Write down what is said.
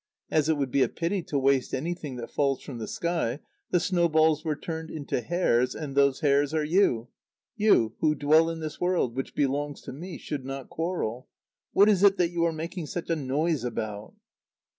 As it would be a pity to waste anything that falls from the sky, the snowballs were turned into hares, and those hares are you. You, who dwell in this world, which belongs to me, should not quarrel. What is it that you are making such a noise about?"